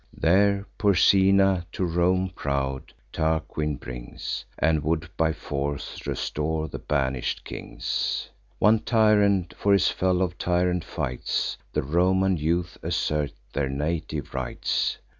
There, Porsena to Rome proud Tarquin brings, And would by force restore the banish'd kings. One tyrant for his fellow tyrant fights; The Roman youth assert their native rights.